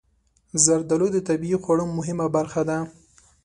زردالو د طبعي خواړو مهمه برخه ده.